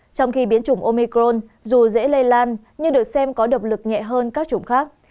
trong khi biến chủng omicron dù dễ lây lan nhưng được xem có độc lực nhẹ hơn các chủng khác